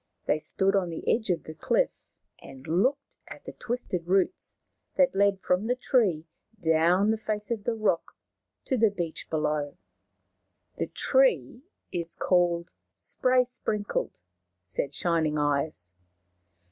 They stood on the edge of the cliff and looked at the twisted roots that led from the tree down the face of the rock to the beach below. " The tree is called Spray Sprinkled," said Shining Eyes.